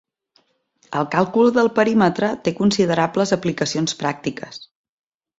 El càlcul del perímetre té considerables aplicacions pràctiques.